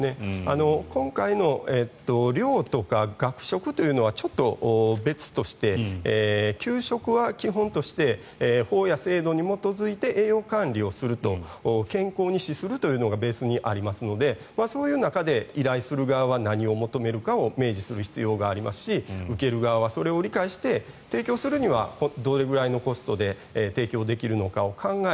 今回の寮とか学食というのはちょっと別として給食は基本として法や制度に基づいて栄養管理をすると健康に資するというのがベースにありますのでそういう中で依頼する側は何を求めるかを明示する必要がありますし受ける側はそれを理解して提供するにはどれぐらいのコストで提供できるのかを考え